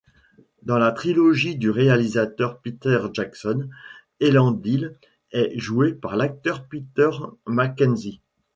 Dans la trilogie du réalisateur Peter Jackson, Elendil est joué par l'acteur Peter McKenzie.